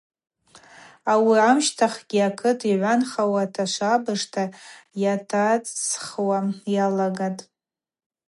Ауи амщтахьгьи акыт йгӏванхауата швабыждзата йатацӏсхуа йалагатӏ.